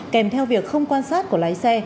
kèm theo việc không quan sát của lái xe